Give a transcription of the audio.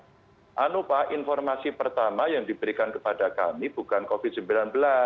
jangan lupa informasi pertama yang diberikan kepada kami bukan covid sembilan belas